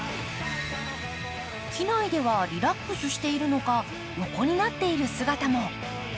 機内ではリラックスしているのか、横になっている姿も。